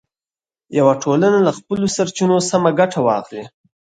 یوه ټولنه له خپلو سرچینو سمه ګټه واخلي.